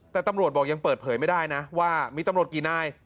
แต่ตำรวจบอกยังเปิดเผยไม่ได้นะว่ามีตำรวจกี่นาย